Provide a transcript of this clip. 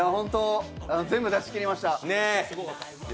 全部出し切りました。